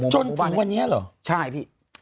จนถึงวันนี้หรอ